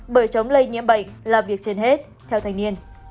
bởi chống lây nhiễm bệnh là việc trên hết theo thanh niên